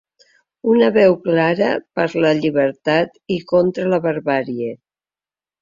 Una veu clara per la llibertat i contra la barbàrie.